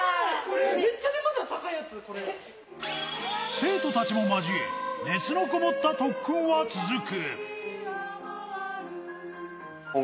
生徒たちも交え、熱のこもった特訓は続く。